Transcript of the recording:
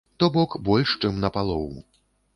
То бок, больш чым на палову.